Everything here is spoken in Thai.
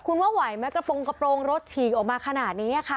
คุณว่าไหวไหมกระโปรงกระโปรงรถฉีกออกมาขนาดนี้ค่ะ